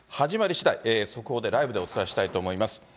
始まりしだい、速報でライブでお伝えしたいと思います。